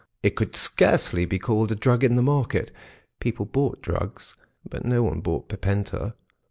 It could scarcely be called a drug in the market; people bought drugs, but no one bought Pipenta.